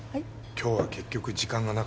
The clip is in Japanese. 今日は結局時間がなかった。